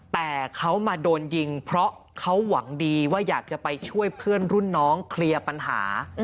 แต่เขามาโดนยิงเพราะเขาหวังดีว่าอยากจะไปช่วยเพื่อนรุ่นน้องเคลียร์ปัญหา